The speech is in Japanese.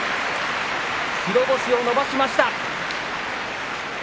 白星を伸ばしました。